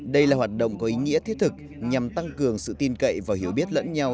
đây là hoạt động có ý nghĩa thiết thực nhằm tăng cường sự tin cậy và hiểu biết lẫn nhau